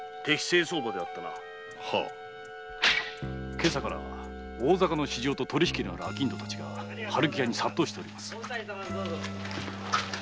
今朝から大坂の市場と取り引きのある商人たちが春喜屋に殺到しております。